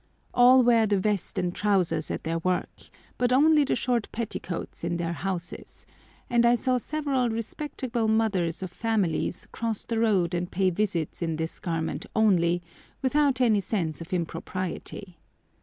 All wear the vest and trousers at their work, but only the short petticoats in their houses, and I saw several respectable mothers of families cross the road and pay visits in this garment only, without any sense of impropriety.